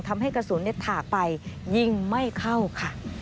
ทำให้กระสุนถากไปยิงไม่เข้าค่ะ